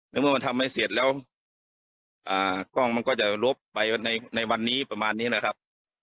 เมื่อมันทำให้เสร็จแล้วกล้องมันก็จะลบไปในวันนี้ประมาณนี้นะครับ